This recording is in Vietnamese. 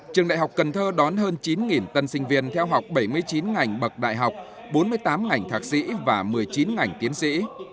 trường đại học cần thơ đón hơn chín tân sinh viên theo học bảy mươi chín ngành bậc đại học bốn mươi tám ngành thạc sĩ và một mươi chín ngành tiến sĩ